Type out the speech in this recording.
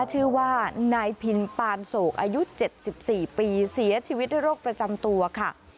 ชื่อว่านายพินปานโศกอายุ๗๔ปีเสียชีวิตด้วยโรคประจำตัวค่ะ